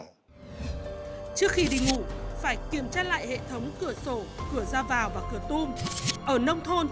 trước khi đi ngủ phải kiểm tra lại hệ thống cửa sổ cửa ra vào và cửa tôm